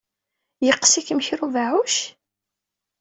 Yeqqes-ikem kra n ubeɛɛuc?